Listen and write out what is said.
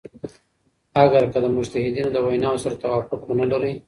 اګر که د مجتهدینو د ویناوو سره توافق ونه لری.